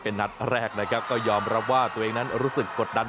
เป็นนัดแรกนะครับก็ยอมรับว่าตัวเองนั้นรู้สึกกดดัน